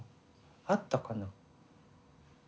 あったかな。